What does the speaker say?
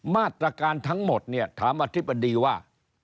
มาตรการทั้งหมดเนี่ยถามอธิบดีว่า